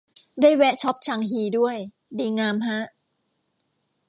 ได้แวะช็อปชางฮีด้วย ดีงามฮะ